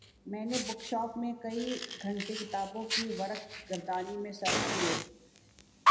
میں نے book shop میں کئی گھنٹے کتابوں کی ورق گردانی میں صرف کئے